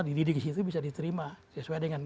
dididik di situ bisa diterima sesuai dengan